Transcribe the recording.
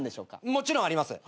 もちろんあります。